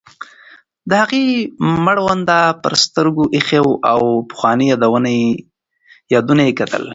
د هغې مړوند پر سترګو ایښی و او پخواني یادونه یې کتل.